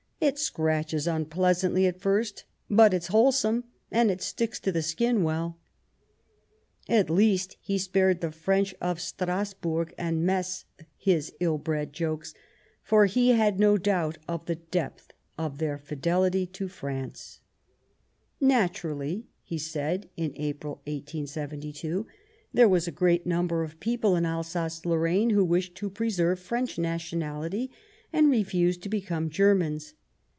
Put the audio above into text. It scratches unpleasantly at first ; but it's wholesome, and it sticks to the skin well." At least he spared the French of Strasburg and Metz his ill bred jokes, for he had no doubt of the depth of their fidelity to France, " Naturally," he said in April 1872, "there are a great number of people in Alsace Lorraine who wish to preserve French nationality and refuse to become Germans.